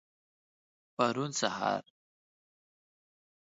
پرون سهار.